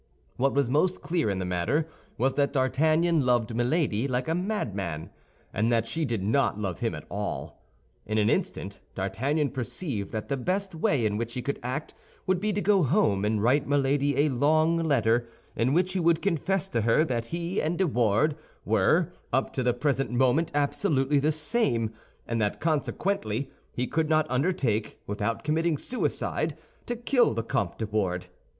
What was most clear in the matter was that D'Artagnan loved Milady like a madman, and that she did not love him at all. In an instant D'Artagnan perceived that the best way in which he could act would be to go home and write Milady a long letter, in which he would confess to her that he and De Wardes were, up to the present moment absolutely the same, and that consequently he could not undertake, without committing suicide, to kill the Comte de Wardes.